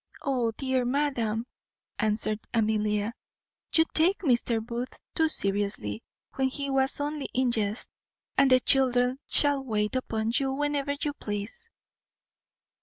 "O dear madam!" answered Amelia, "you take Mr. Booth too seriously, when he was only in jest; and the children shall wait upon you whenever you please."